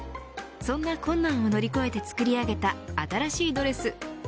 そんな困難を乗り越えて作り上げた新しいドレス。